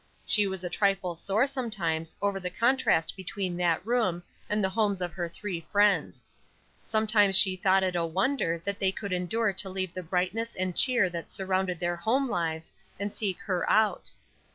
She was a trifle sore sometimes over the contrast between that room and the homes of her three friends. Sometimes she thought it a wonder that they could endure to leave the brightness and cheer that surrounded their home lives and seek her out.